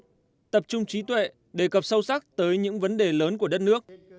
tổng bí thư nguyễn phú trọng trí tuệ đề cập sâu sắc tới những vấn đề lớn của đất nước